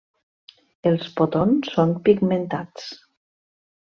Els potons són pigmentats.